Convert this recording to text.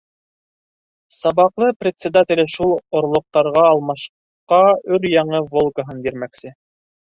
Сабаҡлы председателе шул орлоҡтарға алмашҡа өр-яңы «Волга»һын бирмәксе.